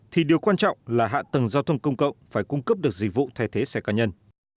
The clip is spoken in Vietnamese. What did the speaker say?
thì điều quan trọng là hạ tầng giao thông công cộng phải cung cấp được dịch vụ thay thế xe cá nhân